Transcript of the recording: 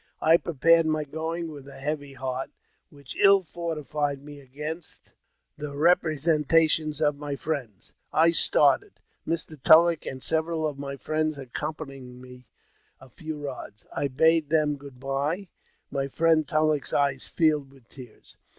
I prepared aay going with a heavy heart, which ill fortified me against the representations of my friends. I started, Mr. Tulleck and several of my friends accompanying me a few rods. I bade ihem good bye : my friend TuUeck's eyes filled with tears.